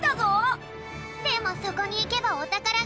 でもそこにいけばおたからがあるかも！